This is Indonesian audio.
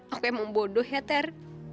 aku emang bodoh ya ter